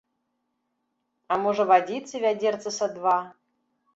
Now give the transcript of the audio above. А можа, вадзіцы вядзерцы са два?